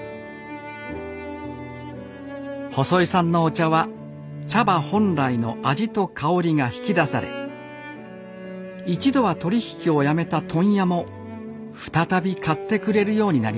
細井さんのお茶は茶葉本来の味と香りが引き出され一度は取り引きをやめた問屋も再び買ってくれるようになりました